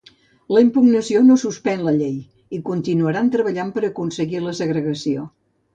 La impugnació no suspèn la llei i continuaran treballant per aconseguir la segregació.